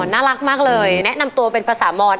น่ารักมากเลยแนะนำตัวเป็นภาษามอน